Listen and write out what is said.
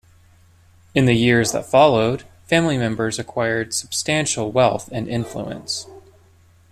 In the years that followed, family members acquired substantial wealth and influence.